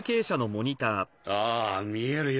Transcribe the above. ああ見えるよ